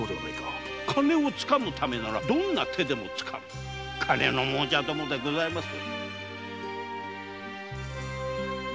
金をつかむためならどんな手でも使う金の亡者どもでございます。